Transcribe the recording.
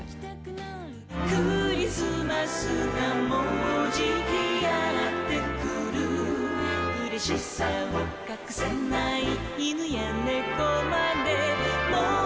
「クリスマスがもうじきやって来る」「うれしさをかくせない犬や猫まで」